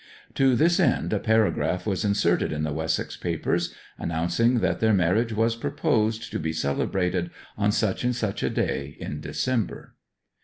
To this end a paragraph was inserted in the Wessex papers, announcing that their marriage was proposed to be celebrated on such and such a day in December.